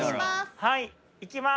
はい行きます。